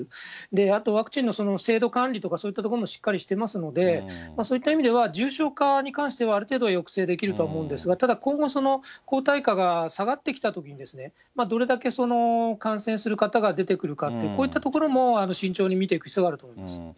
あとワクチンの精度管理とか、そういったところもしっかりしてますので、そういった意味では、重症化に関してはある程度、抑制できるとは思うんですが、ただ今後、抗体価が下がってきたとき、どれだけ感染する方が出てくるかっていう、こういったところも慎重に見ていく必要があると思います。